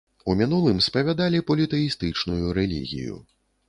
У мінулым спавядалі політэістычную рэлігію.